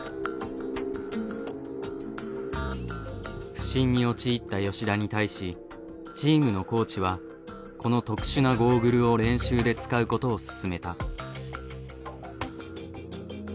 不振に陥った吉田に対しチームのコーチはこの特殊なゴーグルを練習で使うことを薦めた。